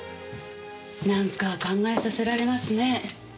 なんか考えさせられますね。